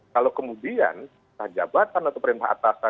kalau kemudian perintah jabatan atau perintah atasan